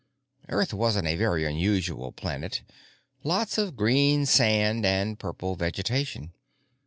Earth wasn't a very unusual planet—lots of green sand and purple vegetation.